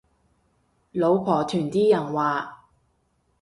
老婆團啲人話